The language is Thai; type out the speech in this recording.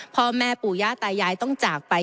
พ่อแม่ปู่ย่าตายายต้องจากไป